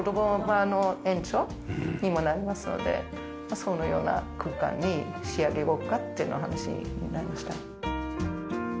そのような空間に仕上げようかというような話になりました。